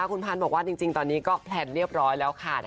คุณพันธ์บอกว่าจริงตอนนี้ก็แพลนเรียบร้อยแล้วค่ะ